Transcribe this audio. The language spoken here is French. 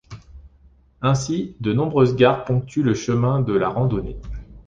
Ainsi, de nombreuses gares ponctuent le chemin de la randonnée.